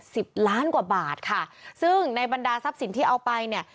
สิบล้านกว่าบาทค่ะซึ่งในบรรดาทรัพย์สินที่เอาไปเนี่ย